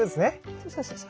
そうそうそうそう。